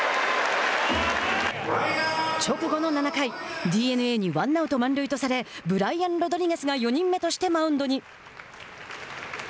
直後の７回、ＤｅＮＡにワンアウト満塁とされブライアン・ロドリゲスが４人目としてマウンドに。